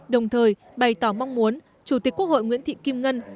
đồng thời bày tỏ mong muốn chủ tịch quốc hội nguyễn thị kim ngân